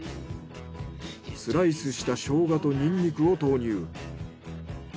スライスしたショウガとニンニクを投入。